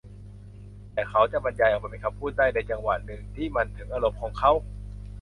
แต่เขาจะบรรยายออกมาเป็นคำพูดได้ในจังหวะหนึ่งที่มันถึงอารมณ์ของเขา